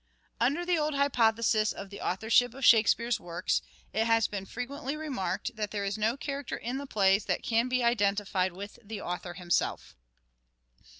Under the old hypothesis of the authorship of Oxford and Shakespeare's works it has been frequently remarked that there is no character in the plays that can be identified with the author himself.